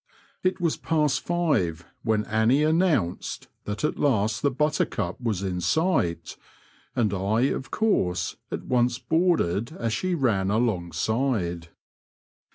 It was past five when Annie announced that at last the Buttercup was in sight, and I of course at once boarded as she ran alongside.